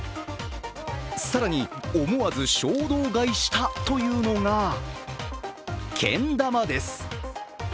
更に、思わず衝動買いしたというのがけん玉です。